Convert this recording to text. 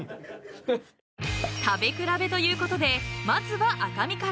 ［食べ比べということでまずは赤身から］